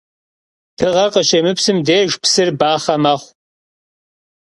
Dığer khışêmıpsım dêjji psır baxhe mexhu.